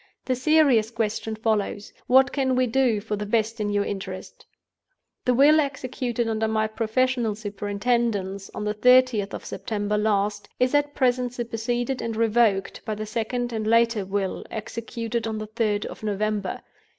"The serious question follows, What can we do for the best in your interests? The Will executed under my professional superintendence, on the thirtieth of September last, is at present superseded and revoked by the second and later Will, executed on the third of November.